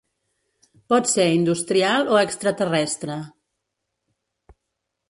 Pot ser industrial o extraterrestre.